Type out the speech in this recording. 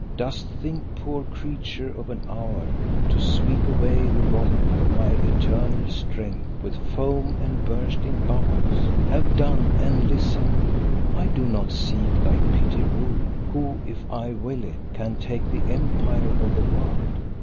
Dost think, poor creature of an hour, to sweep away the rock of my eternal strength with foam and bursting bubbles? Have done and listen. I do not seek thy petty rule, who, if I will it, can take the empire of the world.